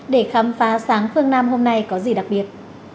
để khám phá sáng phương nam hôm nay có gì đặc biệt